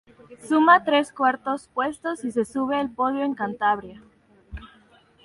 Suma tres cuartos puestos y se sube el podio en Cantabria.